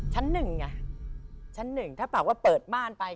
ชั้นหนึ่งไงชั้นหนึ่งถ้าปากว่าเปิดม่านไป